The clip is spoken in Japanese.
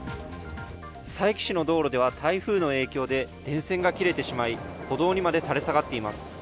佐伯市の道路では台風の影響で電線が切れてしまい、歩道にまで垂れ下がっています。